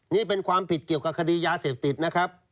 นี่เป็นความผิดเกี่ยวกับคดียาเสพติดนะครับ